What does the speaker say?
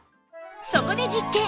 そこで実験